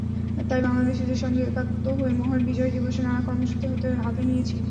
তাই বাংলাদেশিদের সঙ্গে একাত্ম হয়ে মহান বিজয় দিবসে নানা কর্মসূচি হাতে নিয়েছি।